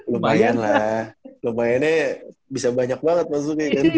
lumayannya bisa banyak banget masuknya kan